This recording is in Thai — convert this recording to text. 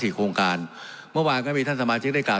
โครงการเมื่อวานก็มีท่านสมาชิกได้กล่า